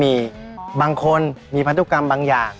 มีบางคนมีพันธุกรรมบางอย่าง